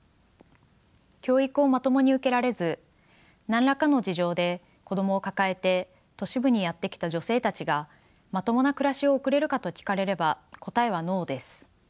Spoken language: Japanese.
教育をまともに受けられず何らかの事情で子供を抱えて都市部にやって来た女性たちがまともな暮らしを送れるかと聞かれれば答えはノーです。